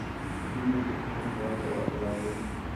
دوی نوي تخنیکونه هیواد ته راوړي.